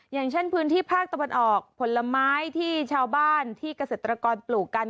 อย่างเช่นพื้นที่ภาคตะวันออกผลไม้ที่ชาวบ้านที่เกษตรกรปลูกกัน